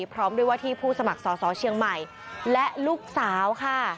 พร้อมด้วยว่าที่ผู้สมัครสอสอเชียงใหม่และลูกสาวค่ะ